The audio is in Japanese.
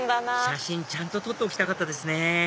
写真ちゃんと撮っておきたかったですね